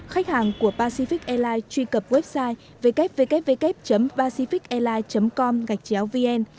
khách hàng của pacific airlines truy cập website www pacificairlines com vn